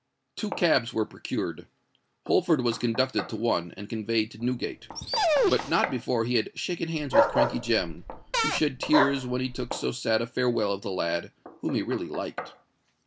Two cabs were procured: Holford was conducted to one, and conveyed to Newgate,—but not before he had shaken hands with Crankey Jem, who shed tears when he took so sad a farewell of the lad, whom he really liked.